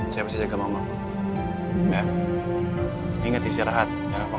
jangan mikirin hal yang aneh